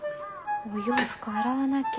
お洋服洗わなきゃ。